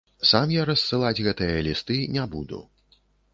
Сам я рассылаць гэтыя лісты не буду.